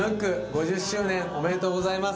５０周年おめでとうございます。